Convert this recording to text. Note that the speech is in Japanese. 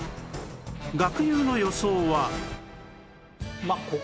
学友の予想は